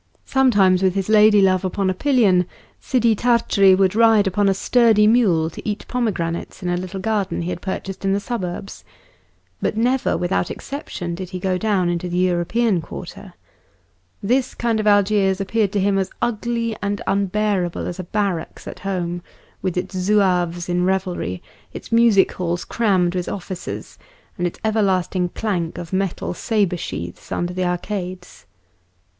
Sometimes with his lady love upon a pillion, Sidi Tart'ri would ride upon a sturdy mule to eat pomegranates in a little garden he had purchased in the suburbs. But never, without exception, did he go down into the European quarter. This kind of Algiers appeared to him as ugly and unbearable as a barracks at home, with its Zouaves in revelry, its music halls crammed with officers, and its everlasting clank of metal sabre sheaths under the arcades.